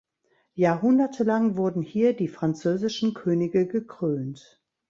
Jahrhundertelang wurden hier die französischen Könige gekrönt.